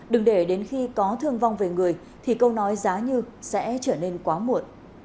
đừng để đến khi có thương vong về người thì câu nói giá như sẽ trở nên quá muộn